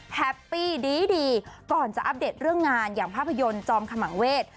แฮปปี้ดีก่อนจะอัปเดตเรื่องงานอย่างภาพยนตร์จอมขมังเวท